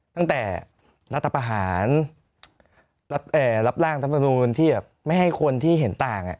ตั้งแต่รัฐประหารรับร่างรัฐมนูลที่แบบไม่ให้คนที่เห็นต่าง